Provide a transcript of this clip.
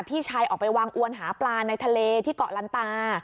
พี่ชายออกไปวางอวนหาปลาในทะเลที่เกาะลันตา